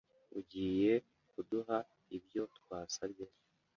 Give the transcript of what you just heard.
Ugiye kuduha ibyo twasabye?